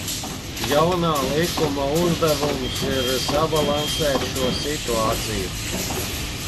Jaunā likuma uzdevums ir sabalansēt šo situāciju.